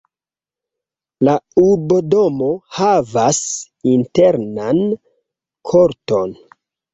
La urbodomo havas internan korton.